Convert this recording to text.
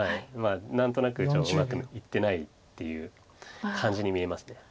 何となくちょっとうまくいってないっていう感じに見えます。